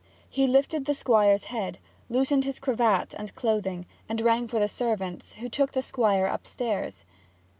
He lifted the Squire's head, loosened his cravat and clothing, and rang for the servants, who took the Squire upstairs.